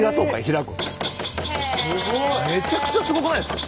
めちゃくちゃすごくないですか？